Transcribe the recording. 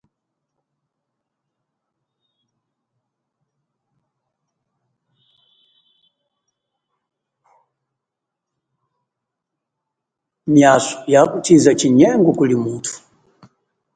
Miaso ya kushiza chinyengo kuli mutu.